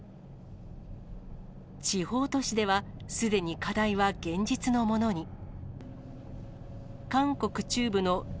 地方都市では、すでに課題は現実のものに。